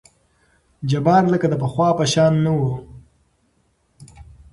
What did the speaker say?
جبار لکه د پخوا په شان نه وو.